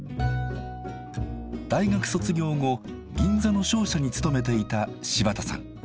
大学卒業後銀座の商社に勤めていた柴田さん。